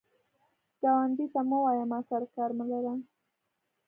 ګاونډي ته مه وایه “ما سره کار مه لره”